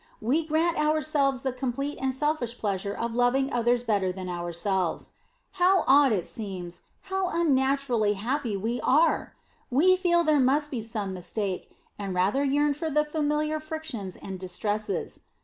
We grant ourselves the complete and selfish pleasure of loving others better than ourselves. How odd it seems, how unnaturally happy we are! We feel there must be some mistake, and rather yearn for the familiar frictions and distresses.